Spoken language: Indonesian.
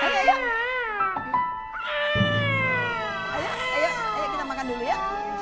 ayo ayo kita makan dulu ya